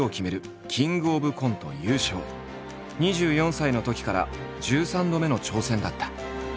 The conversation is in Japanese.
２４歳のときから１３度目の挑戦だった。